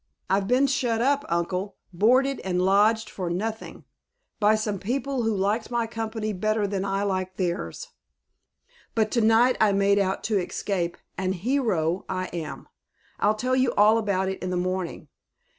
"I've been shut up, uncle, boarded and lodged for nothing, by some people who liked my company better than I liked theirs. But to night I made out to escape, and hero I am. I'll tell you all about it in the morning.